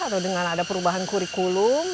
atau dengan ada perubahan kurikulum